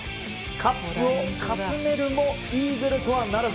カップをかすめるもイーグルとはならず。